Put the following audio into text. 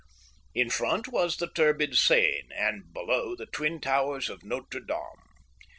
In front was the turbid Seine, and below, the twin towers of Notre Dame.